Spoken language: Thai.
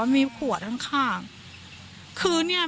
ทำไมคงคืนเขาว่าทำไมคงคืนเขาว่า